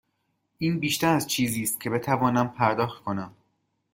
این بیشتر از چیزی است که بتوانم پرداخت کنم.